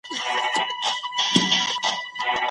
سرمایه داري ظلم زیاتوي.